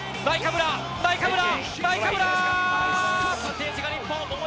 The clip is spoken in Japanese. ナイカブラ！